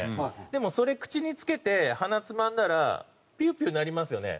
でもそれ口に着けて鼻つまんだらピューピュー鳴りますよね。